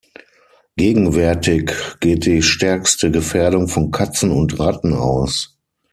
Gegenwärtig geht die stärkste Gefährdung von Katzen und Ratten aus.